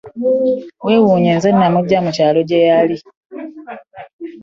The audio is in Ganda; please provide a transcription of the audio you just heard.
Weewuunye nze namuggya mu kyalo gye yali.